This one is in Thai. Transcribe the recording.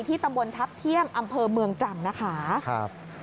ที่ตำบลทัพเที่ยมอำเภอเมืองตรัมป์นะคะ